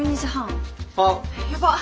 やばっ！